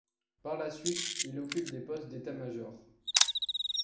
Par la suite il occupe des postes d'état-major.